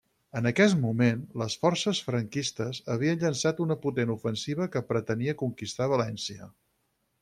En aquest moment les forces franquistes havien llançat una potent ofensiva que pretenia conquistar València.